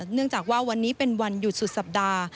เนื่องจากว่าวันนี้เป็นวันหยุดสุดสัปดาห์